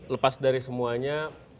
lepas dari semuanya